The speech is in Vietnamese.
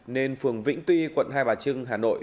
nên phường vĩnh tuy quận hai bà trưng hà nội